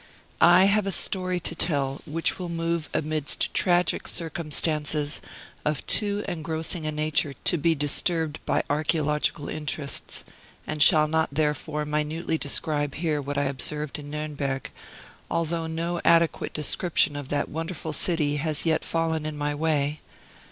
I have a story to tell which will move amidst tragic circumstances of too engrossing a nature to be disturbed by archaeological interests, and shall not, therefore, minutely describe here what I observed in Nuremberg, although no adequate description of that wonderful city has yet fallen in my way.